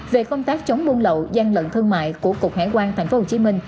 về công tác chống buôn lậu gian lận thương mại của cục hải quan tp hcm